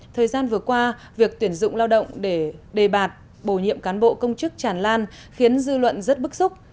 thời gian vừa qua việc tuyển dụng lao động để đề bạt bổ nhiệm cán bộ công chức tràn lan khiến dư luận rất bức xúc